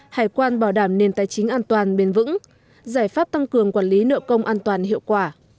hải quan bảo đảm nền tài chính an toàn bền vững giải pháp tăng cường quản lý nợ công an toàn hiệu quả